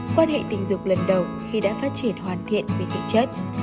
quan hệ tình dục lần đầu khi đã phát triển hoàn thiện về thể chất